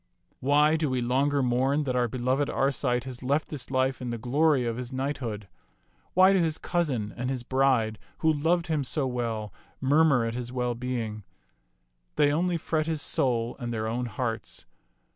Why do we longer mourn that our beloved Arcite has left this life in the glory of his knighthood ? Why do his cousin and his bride, who loved him so well, mur mur at his well being ? They only fret his soul and their own hearts.